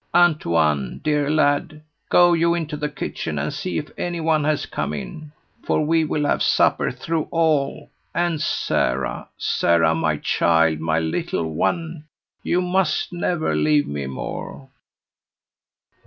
Antoine, dear lad, go you into the kitchen and see if any one has come in; for we will have supper through all, and Sara, Sara, my child, my little one, you must never leave me more."